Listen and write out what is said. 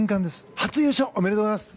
初優勝おめでとうございます。